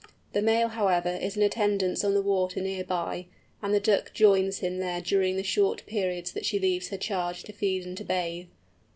The male, however, is in attendance on the water near by, and the duck joins him there during the short periods that she leaves her charge to feed and to bathe.